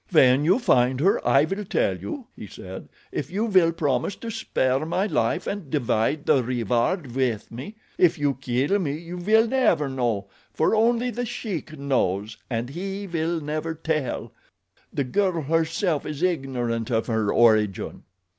"When you find her I will tell you," he said, "if you will promise to spare my life and divide the reward with me. If you kill me you will never know, for only The Sheik knows and he will never tell. The girl herself is ignorant of her origin."